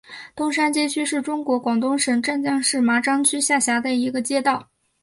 东山街道是中国广东省湛江市麻章区下辖的一个街道。